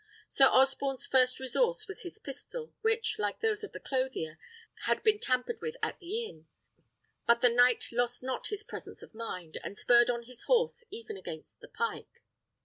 Sir Osborne's first resource was his pistol, which, like those of the clothier, had been tampered with at the inn. But the knight lost not his presence of mind, and spurred on his horse even against the pike.